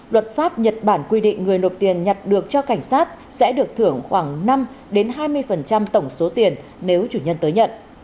luật pháp nhật bản quy định người nộp tiền nhặt được cho cảnh sát sẽ được thưởng khoảng năm hai mươi tổng số tiền nếu chủ nhân tới nhận